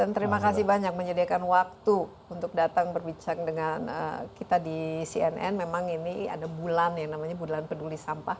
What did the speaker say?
dan terima kasih banyak menyediakan waktu untuk datang berbincang dengan kita di cnn memang ini ada bulan ya namanya bulan peduli sampah